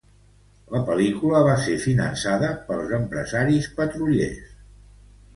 La pel·lícula va ser finançada pels empresaris petroliers.